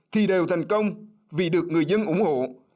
thì đều thành công vì được người dân ủng hộ